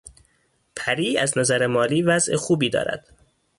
پری از نظر مالی وضع خوبی دارد.